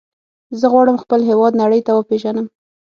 زه غواړم خپل هېواد نړۍ ته وپیژنم.